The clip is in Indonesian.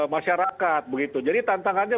masyarakat begitu jadi tantangannya